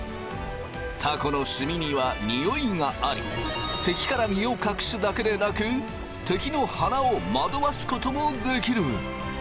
たこのすみにはにおいがあり敵から身を隠すだけでなく敵の鼻をまどわすこともできる。